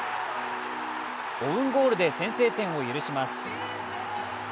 オウンゴールで先制点を許します。